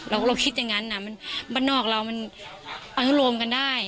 เราคิดอย่างนั้นบ้านนอกเรามันอนุโลมกันได้